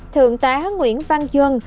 thượng tá nguyễn văn duân